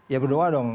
ya berdoa dong